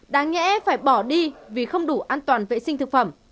đáng lẽ phải bỏ đi vì không đủ an toàn vệ sinh thực phẩm